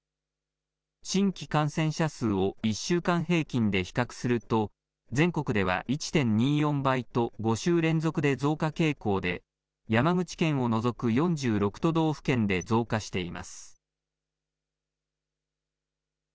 新規感染者数を１週間平均で比較すると、全国では１．２４倍と、５週連続で増加傾向で、山口県を除く４６都道府県で増加しています。